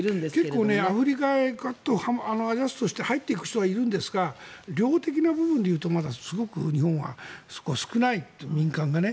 結構、アフリカへアジャストして入っていく人はいるんですが量的な部分でいうとまだすごく日本はそこは少ない、民間がね。